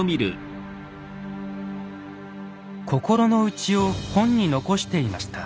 心の内を本に残していました。